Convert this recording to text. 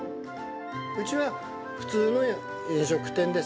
うちは普通の飲食店です。